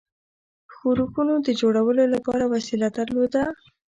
ښورښونو د جوړولو لپاره وسیله درلوده.